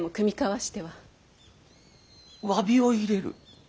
詫びを入れる？